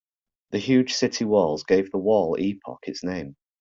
The huge city walls gave the wall epoch its name.